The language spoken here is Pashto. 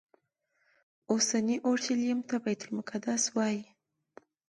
اوسني اورشلیم ته بیت المقدس وایي.